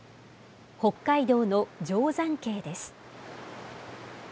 北海道の定山渓です。